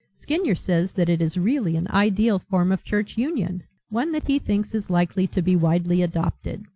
Skinyer says that it is really an ideal form of church union, one that he thinks is likely to be widely adopted.